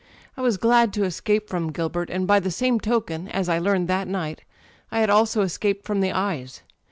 I was glad to escape from Gilbert, and by the same token, as I learned that night, I had also escaped from the eyes.